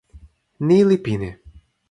ni li pini.